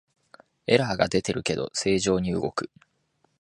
エラーが出てるけど正常に動く